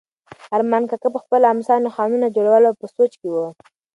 ارمان کاکا په خپله امسا نښانونه جوړول او په سوچ کې و.